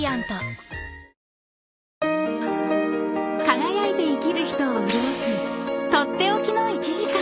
［輝いて生きる人を潤す取って置きの１時間］